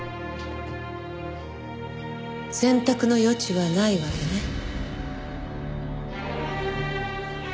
選択の余地はないわけね。